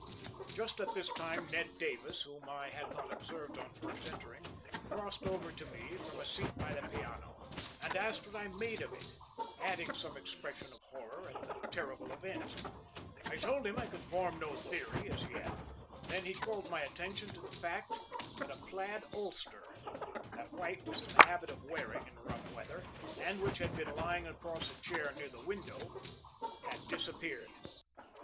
Just at this time Ned Davis, whom I had not observed on first entering, crossed over to me from a seat by the piano, and asked what I made of it, adding some expression of horror at the terrible event. I told him I could form no theory as yet; then he called my attention to the fact that a plaid ulster that White was in the habit of wearing in rough weather, and which had been lying across a chair near the window, had disappeared.